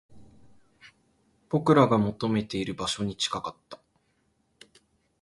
僕らが求めている場所に近かった